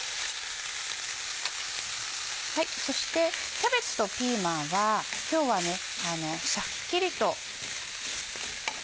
そしてキャベツとピーマンは今日はシャッキリと。